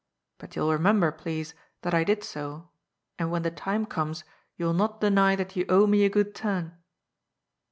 But you'll remember, please, that I did so, and when the time comes, you'll not deny that you owe me a good turn